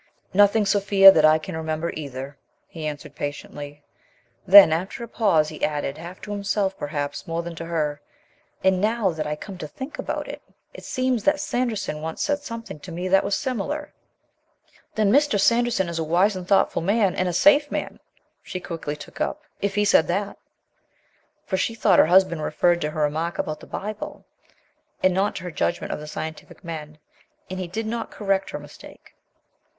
"Nothing, Sophia, that I can remember either," he answered patiently. Then, after a pause, he added, half to himself perhaps more than to her: "And, now that I come to think about it, it seems that Sanderson once said something to me that was similar. "Then Mr. Sanderson is a wise and thoughtful man, and a safe man," she quickly took up, "if he said that." For she thought her husband referred to her remark about the Bible, and not to her judgment of the scientific men. And he did not correct her mistake.